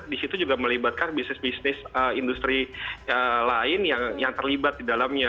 di situ juga melibatkan bisnis bisnis industri lain yang terlibat di dalamnya